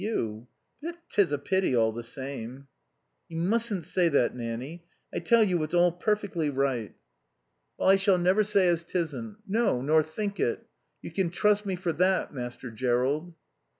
But 'tis a pity, all the same." "You mustn't say that, Nanny. I tell you it's all perfectly right." "Well, I shall never say as 'tisn't. No, nor think it. You can trust me for that, Master Jerrold."